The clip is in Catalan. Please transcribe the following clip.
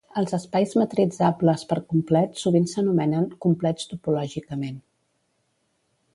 Els espais metritzables per complet sovint s'anomenen "complets topològicament".